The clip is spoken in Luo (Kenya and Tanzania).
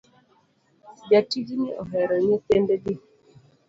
Jatijni ohero nyithindo gi